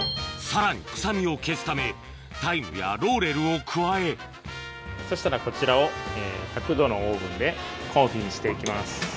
さらに臭みを消すためタイムやローレルを加えそしたらこちらを１００℃のオーブンで。